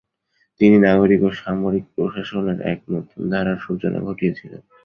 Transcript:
তিনি নাগরিক ও সামরিক প্রশাসনের এক নতুন ধারার সূচনা ঘটিয়েছিলেন।